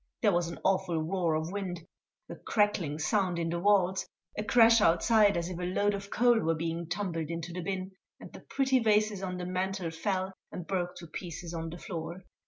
There was an awful roar of wind, a crackling sound in the walls, a crash outside as if a load of coal were being tumbled into the bin, and the pretty vases on the mantel fell and broke to pieces on the floor.